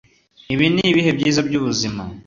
ibi nibihe byiza byubuzima